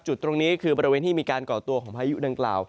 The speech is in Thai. จุดตรงนี้คือบริเวณที่มีการก่อตัวของพายุดังกล่าว